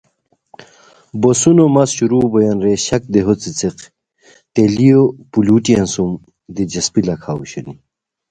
بوسونو مس شروع بویان رے شک دیہو څیڅیق تیلیو پولوٹیان سُم دلچسپی لاکھاؤ اوشونی